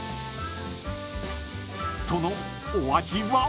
［そのお味は？］